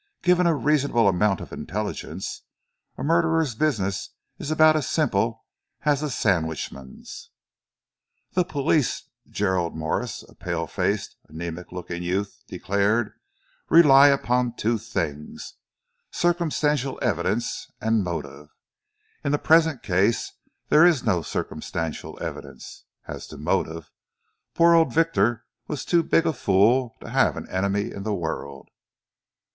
Given a reasonable amount of intelligence, and a murderer's business is about as simple as a sandwich man's." "The police," Gerald Morse, a pale faced, anaemic looking youth, declared, "rely upon two things, circumstantial evidence and motive. In the present case there is no circumstantial evidence, and as to motive, poor old Victor was too big a fool to have an enemy in the world."